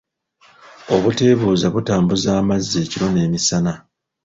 Obuteebuuza butambuza amazzi ekiro n’emisana.